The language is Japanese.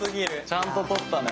ちゃんと取ったね。